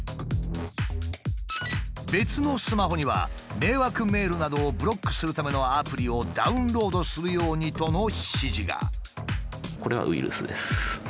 別のスマホには「迷惑メールなどをブロックするためのアプリをダウンロードするように」との指示が。え！